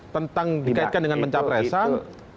tentang dikaitkan dengan pencapresan